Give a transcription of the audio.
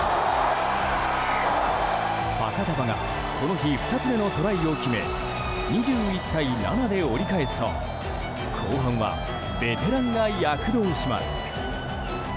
ファカタヴァがこの日２つ目のトライを決め２１対７で折り返すと後半はベテランが躍動します。